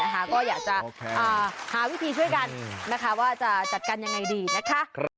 ก็อยากจะหาวิธีช่วยกันนะคะว่าจะจัดการยังไงดีนะคะ